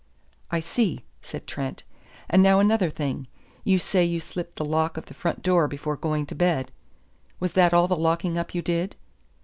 "I see," said Trent. "And now another thing. You say you slipped the lock of the front door before going to bed. Was that all the locking up you did?"